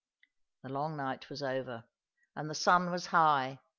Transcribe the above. The long night was over ; and the sun was high.